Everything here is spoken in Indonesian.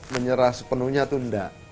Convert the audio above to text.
menyerah sepenuhnya itu enggak